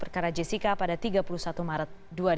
berkas perkara jessica pada tiga puluh satu maret dua ribu enam belas